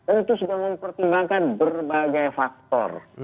untuk mempertimbangkan berbagai faktor